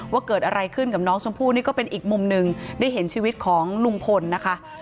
ว่าเกิดอะไรขึ้นกับน้องชมพู่นี่ก็เป็นอีกมุมหนึ่งได้เห็นชีวิตของลุงพลนะคะ